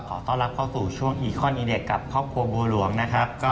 ขอต้อนรับเข้าสู่ช่วงอีคอนอินเน็ตกับครอบครัวบัวหลวงนะครับ